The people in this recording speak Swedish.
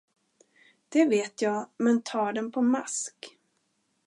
Det vet jag, men tar den på mask?